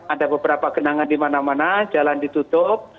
ada beberapa genangan di mana mana jalan ditutup